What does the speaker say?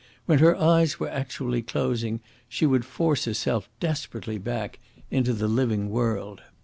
When her eyes were actually closing she would force herself desperately back into the living world.